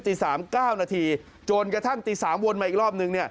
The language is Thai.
ตี๓๙นาทีจนกระทั่งตี๓วนมาอีกรอบนึง